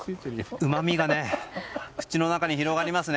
うまみがね、口の中に広がりますね。